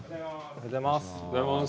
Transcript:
おはようございます。